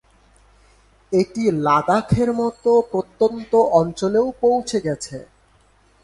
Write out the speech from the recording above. এটি লাদাখের মত প্রত্যন্ত অঞ্চলেও পৌঁছে গেছে।